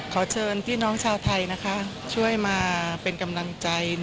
ขอเชิญที่ชาวไทยนะครับช่วยมาเป็นกำลังใจ